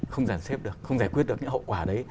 không giải xếp được không giải quyết được cái hậu quả đấy